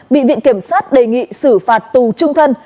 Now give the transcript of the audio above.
bị viện kiểm sát đề nghị xử phạt tù trung thân